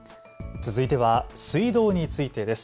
続いては水道についてです。